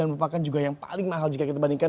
merupakan juga yang paling mahal jika kita bandingkan